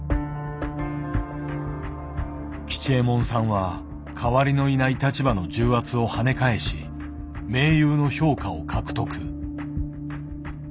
吉右衛門さんは代わりのいない立場の重圧をはね返し名優の評価を獲得。